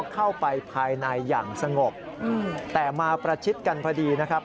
เข้าไปภายในอย่างสงบแต่มาประชิดกันพอดีนะครับ